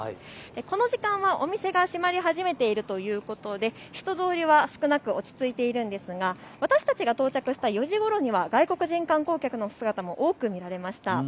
この時間はお店が閉まり始めているということで人通りは少なく落ち着いているんですが私たちが到着した４時ごろには外国人観光客の姿も多く見られました。